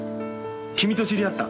君と知り合った。